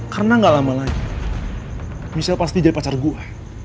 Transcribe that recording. karena gak lama lagi michelle pasti jadi pacar gue